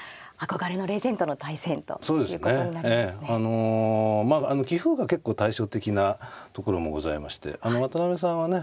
あのまあ棋風が結構対照的なところもございまして渡辺さんはね